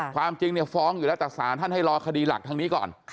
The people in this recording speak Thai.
ความจริงเนี่ยฟ้องอยู่แล้วแต่สารท่านให้รอคดีหลักทางนี้ก่อน